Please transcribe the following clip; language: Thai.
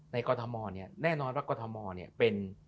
ในกอธมน์นี้แน่นอนว่ากอธมน์